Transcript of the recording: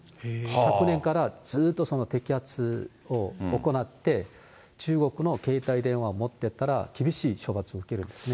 昨年からずっと摘発を行って、中国の携帯電話を持ってたら厳しい処罰を受けるんですね。